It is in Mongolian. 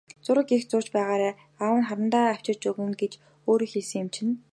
Зураг их зурж байгаарай, аав нь харандаа авчирч өгнө гэж өөрөө хэлсэн юм чинь.